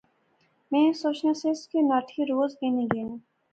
میں سوچنا سیس کہ ناٹھی روز اینے گینے